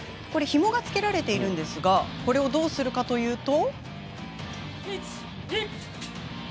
ひもが付けられていますがこれをどうするかというと。